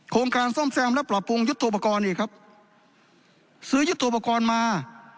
การซ่อมแซมและปรับปรุงยุทธโปรกรณ์อีกครับซื้อยุทธโปรกรณ์มา